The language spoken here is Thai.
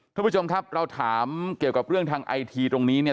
ทุกผู้ชมครับเราถามเกี่ยวกับเรื่องทางไอทีตรงนี้เนี่ย